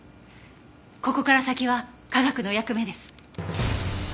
ここから先は科学の役目です。